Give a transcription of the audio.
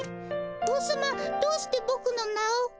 王様どうしてボクの名を。